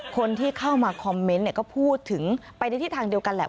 คนที่เข้ามาคอมเมนต์ก็พูดถึงไปในทิศทางเดียวกันแหละ